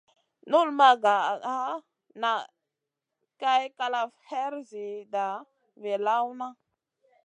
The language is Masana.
Nul ma nʼga nʼa Kay kalaf her ziida vii lawna.